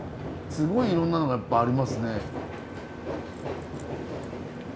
すごいいろんなのがありますね。